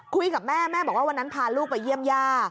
คุยกับแม่แม่บอกว่าวันนั้นพาลูกไปเยี่ยมย่า